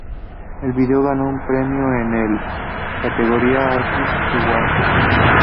El video ganó un premio en la categoría Artist to watch.